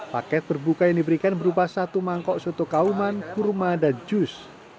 paket berbuka yang diberikan berupa satu mangkok soto kauman kurma dan jus